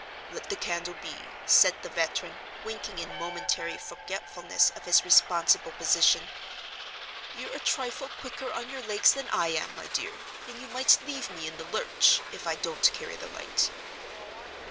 "Let the candle be," said the veteran, winking in momentary forgetfulness of his responsible position. "You're a trifle quicker on your legs than I am, my dear, and you might leave me in the lurch, if I don't carry the light."